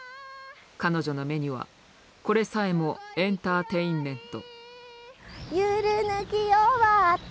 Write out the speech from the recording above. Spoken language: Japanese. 彼女の目にはこれさえもエンターテインメント。